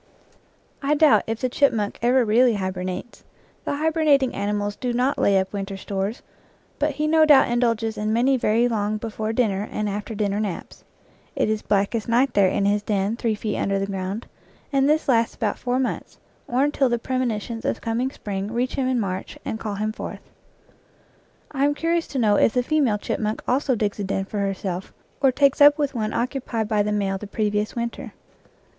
I doubt if the chipmunk ever really hibernates; the hibernating animals do not lay up winter stores, but he no doubt indulges in many very long before din ner and after dinner naps. It is blackest night there in his den three feet under the ground, and this lasts about four months, or until the premonitions of coming spring reach him in March and call him forth. I am curious to know if the female chipmunk also digs a den for herself, or takes up with one occupied by the male the previous winter.